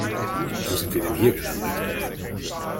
Wo sind wir denn hier gelandet?